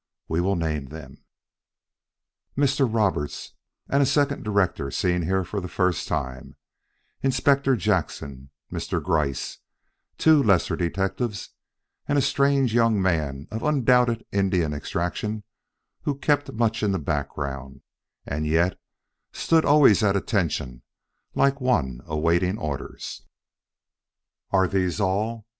We will name them: Mr. Roberts and a second director seen here for the first time, Inspector Jackson, Mr. Gryce, two lesser detectives, and a strange young man of undoubted Indian extraction who kept much in the background and yet stood always at attention like one awaiting orders. Are these all?